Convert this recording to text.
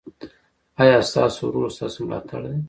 ایا ستاسو ورور ستاسو ملاتړ دی؟